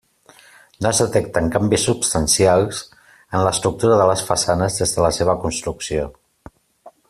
No es detecten canvis substancials en l'estructura de les façanes des de la seva construcció.